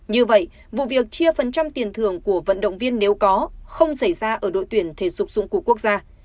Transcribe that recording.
như vậy vụ việc chia phần trăm tiền thưởng của vận động viên nếu có không xảy ra ở đội tuyển thể dục dụng cụ quốc gia